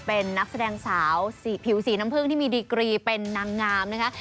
เป็นนักแสดงสาวสีผิวสีน้ำผึ้งที่มีดีกรีเป็นนางงามนะคะ